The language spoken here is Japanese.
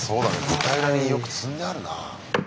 舞台裏によく積んであるなあ。